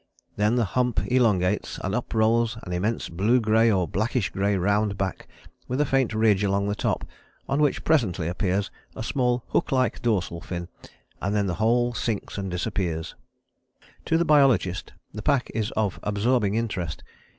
Then the hump elongates and up rolls an immense blue grey or blackish grey round back with a faint ridge along the top, on which presently appears a small hook like dorsal fin, and then the whole sinks and disappears." To the biologist the pack is of absorbing interest.